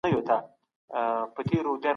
که علم وده ونه کړي ټولنه به وروسته پاته وي.